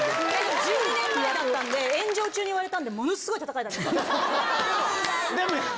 １２年前だったんで炎上中に言われたんでものすごい。